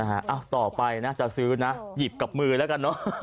อ่าต่อไปจะซื้อน้นนะหยิบกับมือกันเนอะ